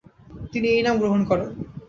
তিনি এই নাম গ্রহণ করেন।